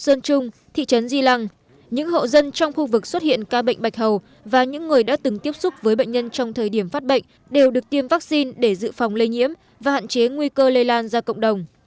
ở sơn trung thị trấn di lăng những hộ dân trong khu vực xuất hiện ca bệnh bạch hầu và những người đã từng tiếp xúc với bệnh nhân trong thời điểm phát bệnh đều được tiêm vaccine để dự phòng lây nhiễm và hạn chế nguy cơ lây lan ra cộng đồng